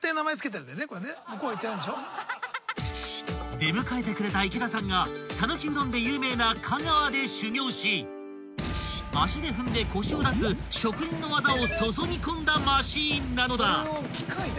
［出迎えてくれた池田さんが讃岐うどんで有名な香川で修業し足で踏んでコシを出す職人の技を注ぎ込んだマシンなのだ］